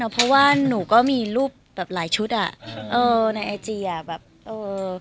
เพราะว่าหนูก็มีรูปแบบหลายชุดอ่ะเออในไอจีอ่ะแบบเออ